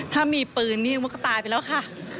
ถ้ามีปืนนี่มันก็ตายไปแล้วค่ะ